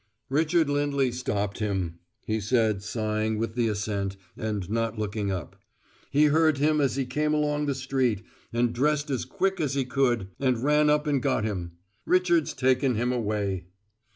"Richard Lindley stopped him," he said, sighing with the ascent, and not looking up. "He heard him as he came along the street, and dressed as quick as he could, and ran up and got him. Richard's taken him away."